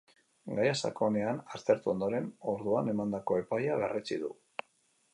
Gaia sakonean aztertu ondoren, orduan emandako epaia berretsi du.